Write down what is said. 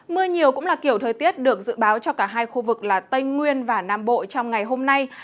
mưa nhiều cũng là kiểu thời tiết được dự báo cho cả hai khu vực là tây nguyên và nam bộ trong ngày hôm nay